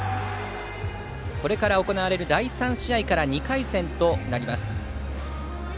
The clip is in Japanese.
これから行われる第３試合から２回戦となります。